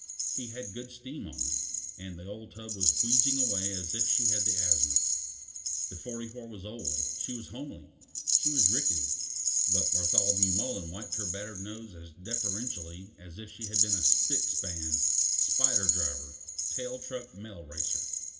He had good steam on her, and the old tub was wheezing away as if she had the asthma. The 44 was old; she was homely; she was rickety; but Bartholomew Mullen wiped her battered nose as deferentially as if she had been a spick span, spider driver, tail truck mail racer.